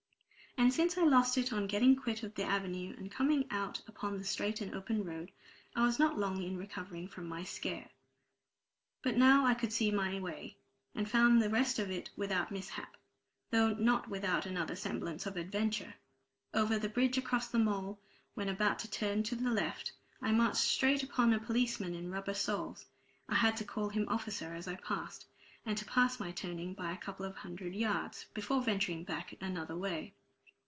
And since I lost it on getting quit of the avenue, and coming out upon the straight and open road, I was not long in recovering from my scare. But now I could see my way, and found the rest of it without mishap, though not without another semblance of adventure. Over the bridge across the Mole, when about to turn to the left, I marched straight upon a policeman in rubber soles. I had to call him "officer" as I passed, and to pass my turning by a couple of hundred yards, before venturing back another way.